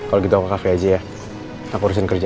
n part logo tamatnya harganya kayak gitu dong steps